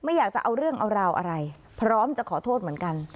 อยากจะเอาเรื่องเอาราวอะไรพร้อมจะขอโทษเหมือนกัน